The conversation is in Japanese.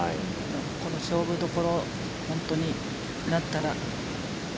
この勝負どころに本当になったら。